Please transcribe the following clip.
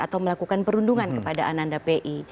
atau melakukan perundungan kepada anak anak pi